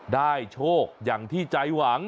โชคอย่างที่ใจหวัง